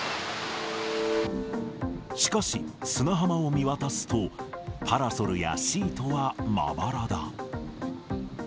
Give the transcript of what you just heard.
しかし、砂浜を見渡すと、パラソルやシートはまばらだ。